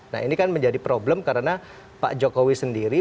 nah ini kan menjadi problem karena pak jokowi sendiri